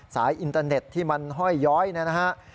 อินเตอร์เน็ตที่มันห้อยย้อยนะฮะ